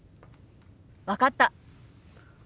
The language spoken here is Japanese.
分かった。